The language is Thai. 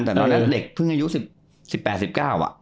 แต่ตอนนั้นเด็กเพิ่งอายุ๑๘๑๙อ่ะ